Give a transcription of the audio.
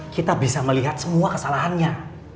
kita bisa melihat semua kesalahannya